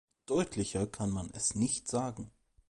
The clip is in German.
Deutlicher kann man es nicht sagen.